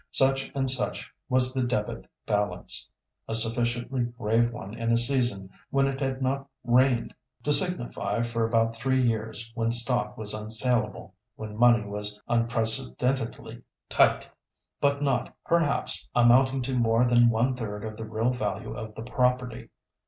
Such and such was the debit balance, a sufficiently grave one in a season when it had not rained, "to signify," for about three years, when stock was unsalable, when money was unprecedentedly tight, but not, perhaps amounting to more than one third of the real value of the property.